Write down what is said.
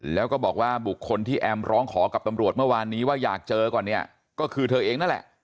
แล้วก็บอกว่าบุคคลที่แอมร้องขอกับตำรวจเมื่อวานนี้ว่าอยากเจอก่อนเนี่ยก็คือเธอเองนั่นแหละ